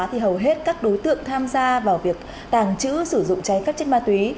thì hầu hết các đối tượng tham gia vào việc tàng trữ sử dụng trái phép chất ma túy